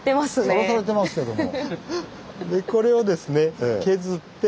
さらされてますけども。